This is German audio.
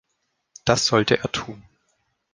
Das sollte er tun.